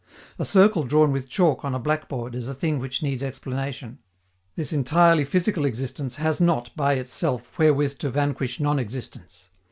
A circle drawn with chalk on a blackboard is a thing which needs explanation: this entirely physical existence has not by itself wherewith to vanquish non existence.